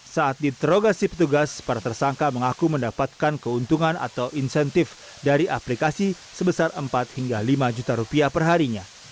saat diterogasi petugas para tersangka mengaku mendapatkan keuntungan atau insentif dari aplikasi sebesar empat hingga lima juta rupiah perharinya